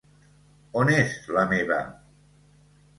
On és la meva?